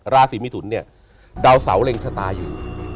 ราศีมิถุนเนี่ยดาวเสาเล็งชะตาอยู่